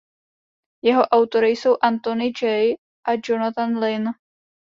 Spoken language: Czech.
Jeho autory jsou Antony Jay a Jonathan Lynn.